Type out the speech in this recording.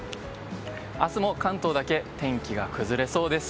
明日も関東だけ天気が崩れそうです。